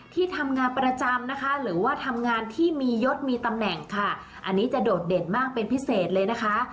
ที่ทำงานประจำนะคะหรือว่าทำงานที่มียศมีตำแหน่งค่ะอันนี้จะโดดเด่นมากเป็นพิเศษเลยนะคะ